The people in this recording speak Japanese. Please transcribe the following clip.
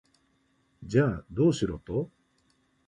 じゃあ、どうしろと？